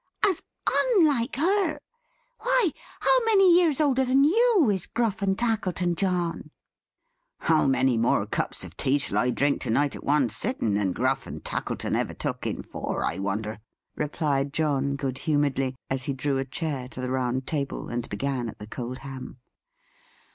As unlike her! Why, how many years older than you, is Gruff and Tackleton John?" "How many more cups of tea shall I drink to night at one sitting, than Gruff and Tackleton ever took in four, I wonder!" replied John, good humouredly, as he drew a chair to the round table, and began at the cold Ham.